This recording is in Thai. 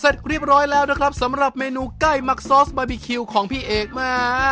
เสร็จเรียบร้อยแล้วนะครับสำหรับเมนูใกล้มักซอสบาร์บีคิวของพี่เอกแม่